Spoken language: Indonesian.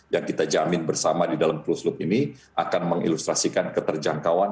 yang kita jamin bersama di dalam closed loop ini akan mengilustrasikan keterjangkauan